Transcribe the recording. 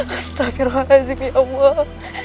astaghfirullahaladzim ya allah